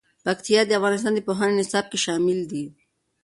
پکتیا د افغانستان د پوهنې نصاب کې شامل دي.